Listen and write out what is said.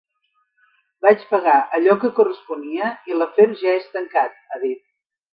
Vaig pagar allò que corresponia i l’afer ja és tancat, ha dit.